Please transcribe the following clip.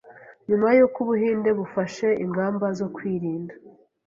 Nyuma y’uko u Buhinde bufashe ingamba zo kwirinda